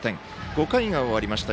５回が終わりました。